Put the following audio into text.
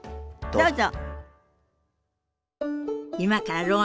どうぞ。